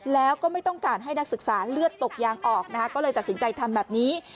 แล้วก็ไม่ต้องการให้นักศึกษาเลือดตกยางออกนะคะก็เลยตัดสินใจทำแบบนี้